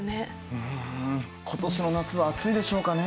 うん今年の夏は暑いでしょうかね？